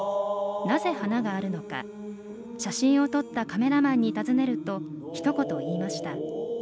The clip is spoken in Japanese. なぜ花があるのか、写真を撮ったカメラマンに尋ねるとひと言、言いました。